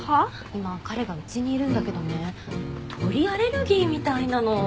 今彼がうちにいるんだけどね鳥アレルギーみたいなの。